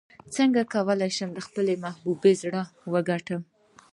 څنګه کولی شم د خپلې محبوبې زړه وګټم